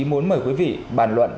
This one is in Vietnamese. muốn mời quý vị bàn luận